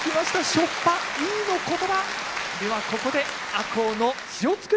「しょっぱイイ」の言葉。